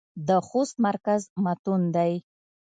د خوست مرکز متون دى.